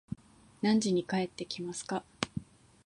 何時に帰ってきますか